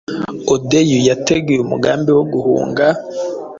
Odyeu yateguye umugambi wo guhunga,